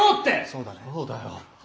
そうだよ。